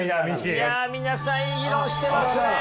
いや皆さんいい議論してますね。